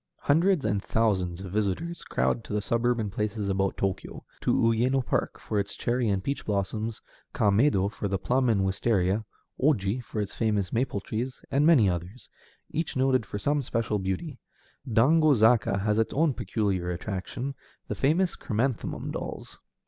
Hundreds and thousands of visitors crowd to the suburban places about Tōkyō, to Uyéno Park for its cherry and peach blossoms, Kaméido for the plum and wistaria, Oji for its famous maple trees, and many others, each noted for some special beauty. Dango Zaka has its own peculiar attraction, the famous chrysanthemum dolls.